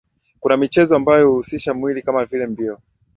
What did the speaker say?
Kuna michezo ambayo huhusisha mwili kama vile mbio